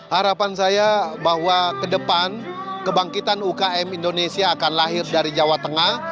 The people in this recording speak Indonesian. harapan saya bahwa ke depan kebangkitan ukm indonesia akan lahir dari jawa tengah